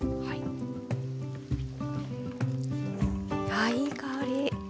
あいい香り。